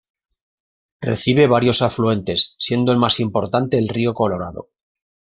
Recibe varios afluentes, siendo el más importante el río Colorado.